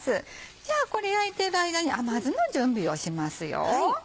じゃあこれ焼いている間に甘酢の準備をしますよ。